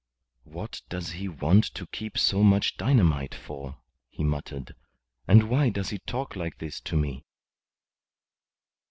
"What does he want to keep so much dynamite for?" he muttered. "And why does he talk like this to me?"